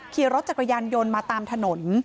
ขี่รถจักรยานยนต์มาตามถนน